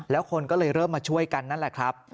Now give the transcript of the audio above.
แล้วคนก็เลยเริ่มมาช่วยกันนั่นแหละครับ